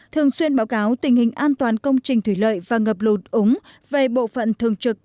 thường xuyên báo cáo tình hình an toàn công trình thủy lợi và ngập lụt úng về bộ phận thường trực